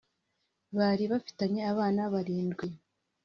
Bari bafitanye abana barindwi